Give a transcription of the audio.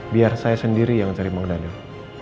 biar saya sendiri yang cari mang dadang